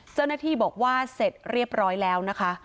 เจ้าหน้าที่บอกว่าเสร็จเรียบร้อยแล้วนะคะ